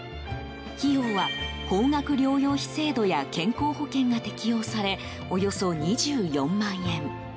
費用は高額療養費制度や健康保険が適用されおよそ２４万円。